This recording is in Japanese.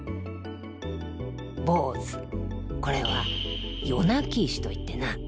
坊主これは「夜泣き石」と言ってな。